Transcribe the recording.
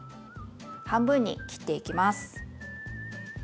半分に切っていきます。